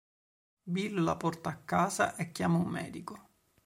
Bill la porta a casa e chiama un medico.